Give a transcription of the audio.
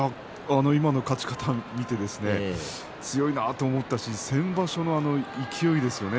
今の勝ち方を見て強いなと思ったし先場所の勢いですよね